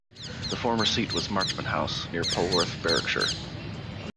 The former seat was Marchmont House, near Polwarth, Berwickshire.